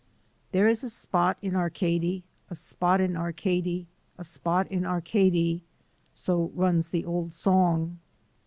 "There is a spot in Arcady a spot in Arcady a spot in Arcady " So runs the old song.